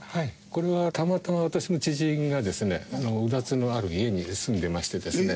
これはたまたま私の知人がですねうだつのある家に住んでいましてですね。